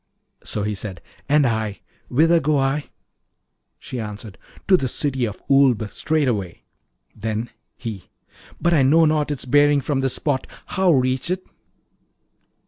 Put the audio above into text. So he said, 'And I whither go I?' She answered, 'To the City of Oolb straightway.' Then he, 'But I know not its bearing from this spot: how reach it?'